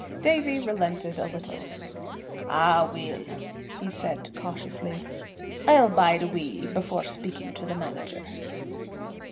Davie relented a little. "Ah, weel," he said cautiously, "I'll bide a wee before speaking to the manager."